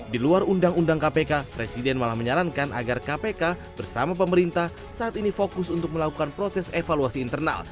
di luar undang undang kpk presiden malah menyarankan agar kpk bersama pemerintah saat ini fokus untuk melakukan proses evaluasi internal